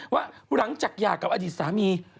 ว่าหลังจากหย่ากับอดีตสามี